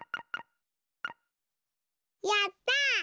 やった！